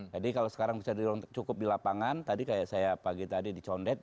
jadi kalau sekarang bisa di ruang cukup di lapangan tadi kayak saya pagi tadi dicondek